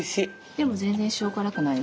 でも全然塩辛くない。